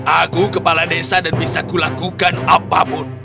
aku kepala desa dan bisa kulakukan apapun